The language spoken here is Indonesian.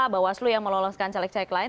bahwa aslu yang meloloskan caleg caleg lain